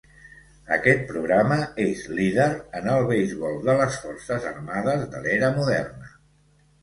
Aquest programa és líder en el beisbol de les forces armades de l'era moderna.